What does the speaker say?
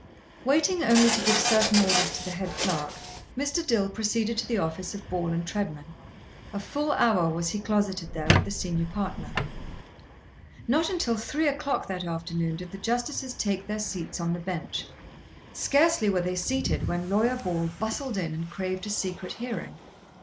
Waiting only to give certain orders to the head clerk, Mr. Dill proceeded to the office of Ball & Treadman. A full hour was he closeted there with the senior partner. Not until three o'clock that afternoon did the justices take their seats on the bench. Scarcely were they seated when Lawyer Ball bustled in and craved a secret hearing.